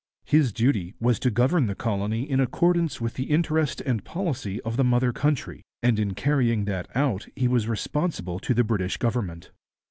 His duty was to govern the colony in accordance with the interest and policy of the mother country, and in carrying that out he was responsible to the British Government.